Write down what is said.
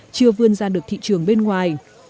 chưa vươn ra được thị trường bên ngoài